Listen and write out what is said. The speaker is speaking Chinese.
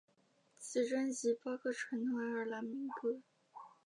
此专辑包括传统爱尔兰民歌。